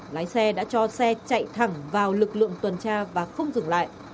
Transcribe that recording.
lái xe đã cho xe chạy thẳng vào lực lượng tuần tra và không dừng lại